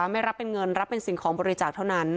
ไม่รับเป็นเงินรับเป็นสิ่งของบริจาคเท่านั้น